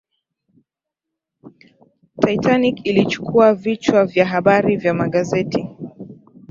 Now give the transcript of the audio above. titanic ilichukua vichwa vya habari vya magazeti